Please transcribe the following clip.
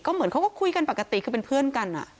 เหมือนเขาก็คุยกันปกติคือเป็นเพื่อนกัน